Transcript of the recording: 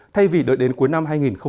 thay vì đợi đến cuối năm hai nghìn hai mươi